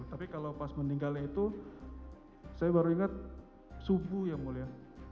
tapi kalau pas meninggalnya itu saya baru ingat subuh ya mulia